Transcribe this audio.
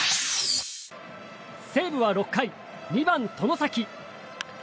西武は６回、２番、外崎。